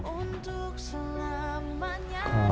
untuk selama nyata